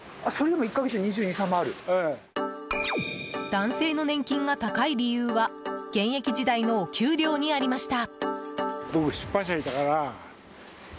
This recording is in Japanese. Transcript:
男性の年金が高い理由は現役時代のお給料にありました。